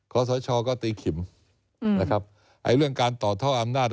ข้อสาชอก็ตีขิ่มไอ้เรื่องการต่อท่ออำนาจ